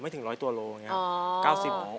ไม่ถึงร้อยตัวโลกอย่างนี้ครับ๙๐บาท